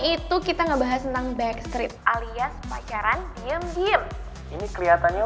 itu kita ngebahas tentang back street alias pacaran diem diem ini kelihatannya